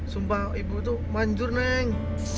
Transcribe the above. sumpah ibu itu manjur neng